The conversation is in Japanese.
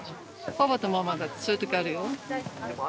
パパとママだってそういう時あるよ。